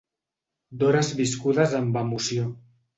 D’hores viscudes amb emoció.